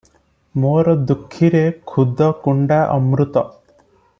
ମୋର ଦୁଃଖୀର ଖୁଦ କୁଣ୍ଡା ଅମୃତ ।